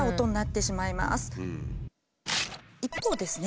一方ですね